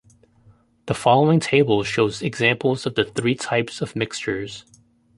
The following table shows examples of the three types of mixtures.